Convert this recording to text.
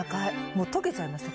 もう溶けちゃいました